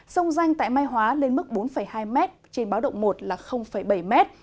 sông danh tại mai hóa lên mức bốn hai m trên báo động một là bảy m